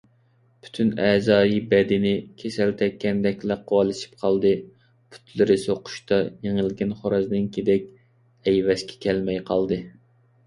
پۈتۈن ئەزايى - بەدىنى كېسەل تەگكەندەك لەقۋالىشىپ قالدى، پۇتلىرى سوقۇشتا يېڭىلگەن خورازنىڭكىدەك ئەيۋەشكە كەلمەي قالدى.